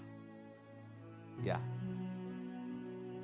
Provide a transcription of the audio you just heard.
maukah anda memberikan sedikit uang untuk dia yang putus sekolah